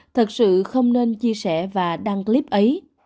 thật sự không nên chia sẻ và đăng clip ấy